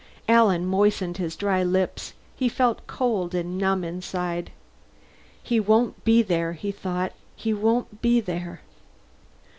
Alan moistened his dry lips; he felt cold and numb inside. He won't be there, he thought; he won't be there.